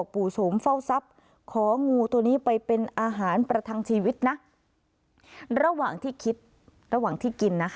ปู่โสมเฝ้าทรัพย์ของงูตัวนี้ไปเป็นอาหารประทังชีวิตนะระหว่างที่คิดระหว่างที่กินนะคะ